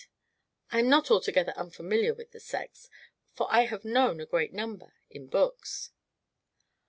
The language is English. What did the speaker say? "I am not altogether unfamiliar with the sex for I have known a great number in books."